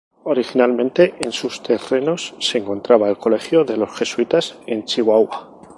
Originalmente en sus terrenos se encontraba el Colegio de los Jesuitas en Chihuahua.